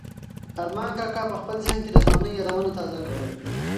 ارمان کاکا په خپل ذهن کې د ځوانۍ یادونه تازه کوله.